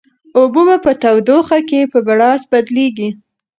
اوبه په تودوخه کې په بړاس بدلیږي.